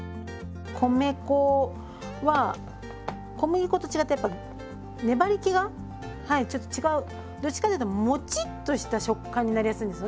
米粉は小麦粉と違ってやっぱ粘りけがはいちょっと違うどっちかっていうともちっとした食感になりやすいんですよね。